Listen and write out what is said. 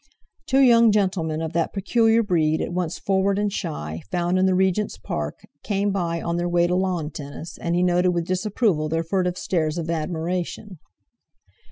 Two young gentlemen of that peculiar breed, at once forward and shy, found in the Regent's Park, came by on their way to lawn tennis, and he noted with disapproval their furtive stares of admiration.